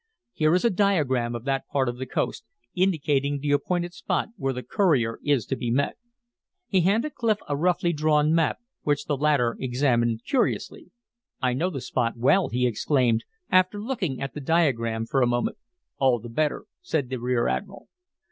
Here is a diagram of that part of the coast, indicating the appointed spot where the courier is to be met." He handed Clif a roughly drawn map, which the latter examined curiously. "I know the spot well," he exclaimed, after looking at the diagram for a moment. "All the better," said the rear admiral.